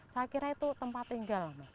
saya kira itu tempat tinggal mas